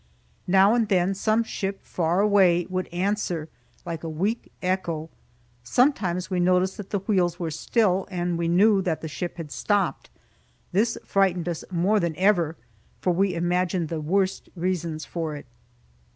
Now and then some ship, far away, would answer, like a weak echo. Sometimes we noticed that the wheels were still, and we knew that the ship had stopped. This frightened us more than ever, for we imagined the worst reasons for it.